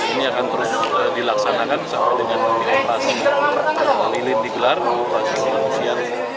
ini akan terus dilaksanakan sama dengan menghilangkan lilin digelar untuk operasi lulusian